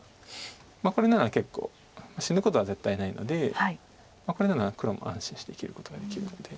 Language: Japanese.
これなら結構死ぬことは絶対ないのでこれなら黒も安心して生きることができるので。